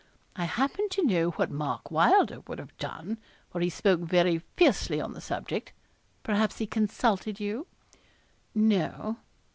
I happen to know what Mark Wylder would have done for he spoke very fiercely on the subject perhaps he consulted you?' 'No.'